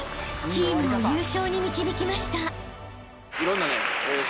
［チームを優勝に導きました］